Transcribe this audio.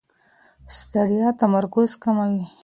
ستړیا تمرکز کموي.